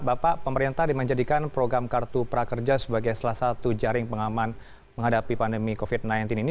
bapak pemerintah dimanjadikan program kartu prakerja sebagai salah satu jaring pengaman menghadapi pandemi covid sembilan belas ini